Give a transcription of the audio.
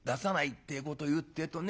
ってえことを言うってえとね